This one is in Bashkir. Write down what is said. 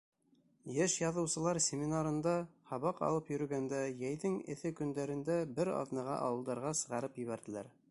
Йәш яҙыусылар семинарында һабаҡ алып йөрөгәндә, йәйҙең эҫе көндәрендә бер аҙнаға ауылдарға сығарып ебәрҙеләр.